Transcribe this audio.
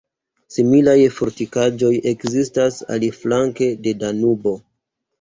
Similaj fortikaĵoj ekzistas aliflanke de Danubo.